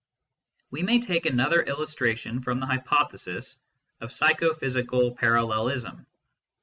We may take another illustration from the hypothesis of psycho physical parallelism.